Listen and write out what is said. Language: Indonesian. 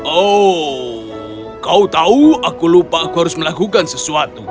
oh kau tahu aku lupa aku harus melakukan sesuatu